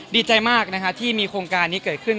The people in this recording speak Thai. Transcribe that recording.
ดีใจมากนะคะที่มีโครงการนี้เกิดขึ้น